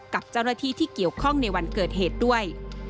กับเจ้าหน้าที่ที่เกี่ยวข้องในวันเกิดเหตุด้วย